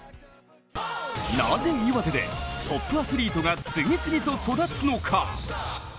なぜ岩手でトップアスリートが次々と育つのか。